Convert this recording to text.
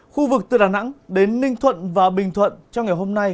khu vực từ đà nẵng đến ninh thuận và bình thuận trong ngày hôm nay